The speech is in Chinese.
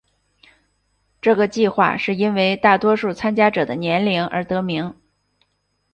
这个计画是因为大多数参加者的年龄而得名。